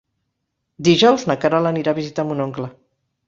Dijous na Queralt anirà a visitar mon oncle.